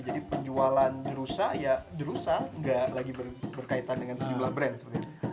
jadi penjualan the rusa ya the rusa nggak lagi berkaitan dengan sejumlah brand seperti ini